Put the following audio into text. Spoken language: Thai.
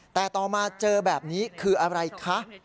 แต่ต่อมาเจอแบบนี้คืออะไรคะ